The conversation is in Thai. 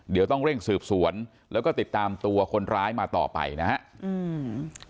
เดี๋ยวต้องเร่งสืบสวนแล้วก็ติดตามตัวคนร้ายมาต่อไปนะฮะอืม